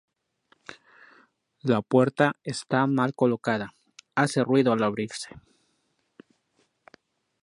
La puerta está mal colocada, hace ruido al abrirse.